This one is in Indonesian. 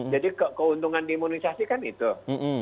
jadi keuntungan di imunisasi kan itu